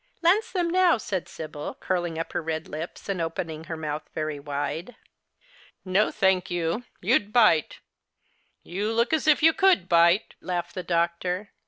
Lance them now," said Sibyl, curling up her red lips and opening her mouth very wide. 52 The Christmas Hirelings. " No, thank you. You'd bite. You look as if you could bite !" laughed the doctor.